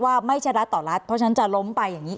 ว่าไม่ใช่รัฐต่อรัฐเพราะฉะนั้นจะล้มไปอย่างนี้